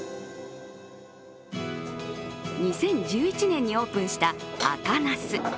２０１１年にオープンした赤茄子。